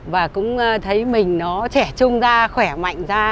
và cũng thấy mình nó trẻ trung ra khỏe mạnh ra